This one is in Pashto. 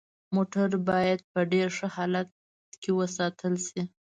موټر باید په ډیر ښه حالت کې وساتل شي